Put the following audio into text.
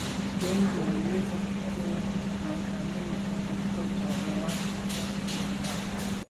Wengi waliweza kuangamia Katika utawala wake wa kimabavu